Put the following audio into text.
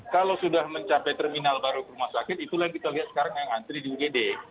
kalau sudah mencapai terminal baru rumah sakit itulah yang kita lihat sekarang yang antri di ugd